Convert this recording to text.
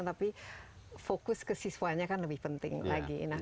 tapi fokus ke siswanya kan lebih penting lagi